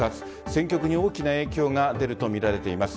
戦局に大きな影響が出るとみられています。